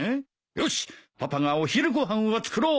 よしパパがお昼ご飯を作ろう。